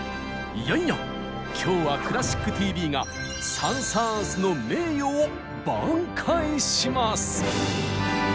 いやいや今日は「クラシックＴＶ」がサン・サーンスの名誉を挽回します。